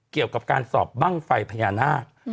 เกี่ยวกับการสอบบ้างไฟพญานาค